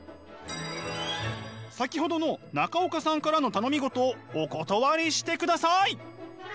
先ほどの中岡さんからの頼み事をお断りしてください。